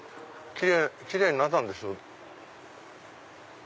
キレイになったんでしょう。